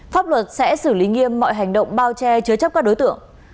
pháp luật sẽ xử lý nghiêm mọi hành động bao che chứa chấp các đối tượng